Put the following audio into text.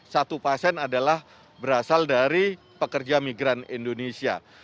satu pasien adalah berasal dari pekerja migran indonesia